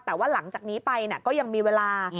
แต่ว่าหลังจากนี้ไปก็ยังมีเวลา